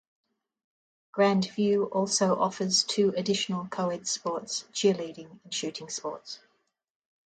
Grand View also offers two additional co-ed sports: cheerleading and shooting sports.